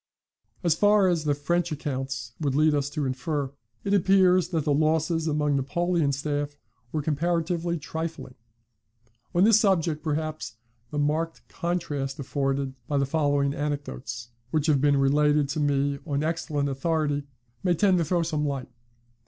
["As far as the French accounts would lead us to infer, it appears that the losses among Napoleon's staff were comparatively trifling. On this subject perhaps the marked contrast afforded by the following anecdotes, which have been related to me on excellent authority, may tend to throw some light.